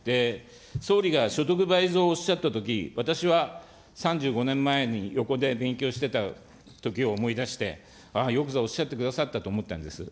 総理が所得倍増をおっしゃったとき、私は３５年前に、横で勉強してたときを思い出して、ああ、よくぞおっしゃってくださったと思ったんです。